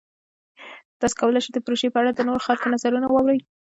تاسو کولی شئ د پروژې په اړه د نورو خلکو نظرونه واورئ.